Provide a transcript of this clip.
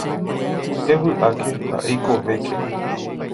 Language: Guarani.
Evy'áke ha eikovéke.